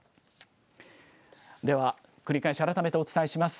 では、繰り返し改めてお伝えします。